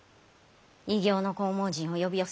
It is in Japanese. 異形の紅毛人を呼び寄せ